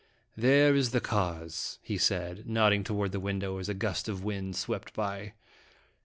" There is the cause," he said, nodding toward the window as a gust of wind swept by.